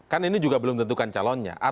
kan ini juga belum tentukan calonnya